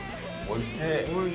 おいしい！